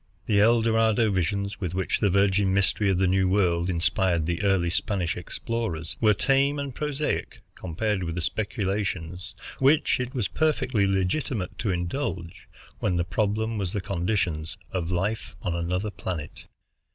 The El Dorado visions with which the virgin mystery of the New World inspired the early Spanish explorers were tame and prosaic compared with the speculations which it was perfectly legitimate to indulge, when the problem was the conditions of life on another planet.